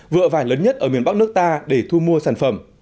vựa vải lớn nhất ở miền bắc nước ta để thu mua sản phẩm